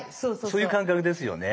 そういう感覚ですよね。